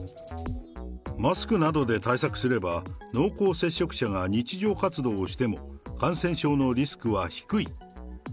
マスクなどで対策すれば、濃厚接触者が日常活動をしても、感染症のリスクは低い。